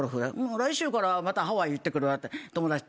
来週からまたハワイ行ってくるわ友達と」